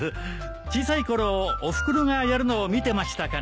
小さい頃おふくろがやるのを見てましたから。